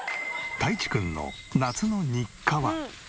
たいちくんの夏の日課は。